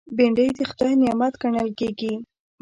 بېنډۍ د خدای نعمت ګڼل کېږي